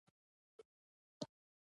دا د تمدن یوه نوې مرحله وه.